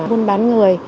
buôn bán người